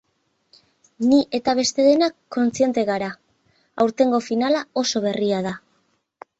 Ni eta beste denak kontziente gara, aurtengo finala oso berria da.